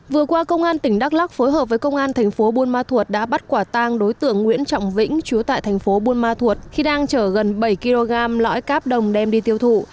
vừa qua công an tỉnh đắk lắc phối hợp với công an thành phố buôn ma thuột đã bắt quả tang đối tượng nguyễn trọng vĩnh chứa tại thành phố buôn ma thuột khi đang chở gần bảy kg lõi cáp đồng đem đi tiêu thụ